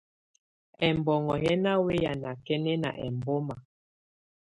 Ɛmbɔŋɔ́ yɛ́ ná wɛ́yá nákɛ́nɛná ɛmbɔ́má.